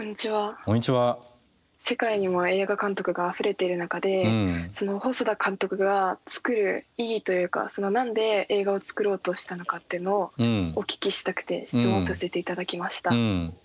世界にも映画監督があふれている中で細田監督が作る意義というか何で映画を作ろうとしたのかっていうのをお聞きしたくて質問させて頂きました。